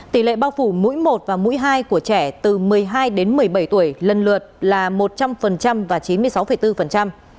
tỷ lệ bao phủ mũi một và mũi hai của trẻ từ một mươi hai đến một mươi bảy tuổi lần lượt là một trăm linh và chín mươi sáu bốn